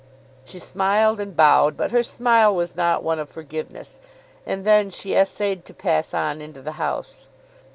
She smiled and bowed; but her smile was not one of forgiveness; and then she essayed to pass on into the house.